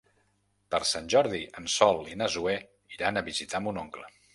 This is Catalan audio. Per Sant Jordi en Sol i na Zoè iran a visitar mon oncle.